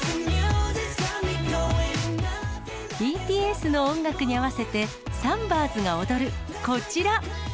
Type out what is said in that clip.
ＢＴＳの音楽に合わせて、サンバーズが踊るこちら。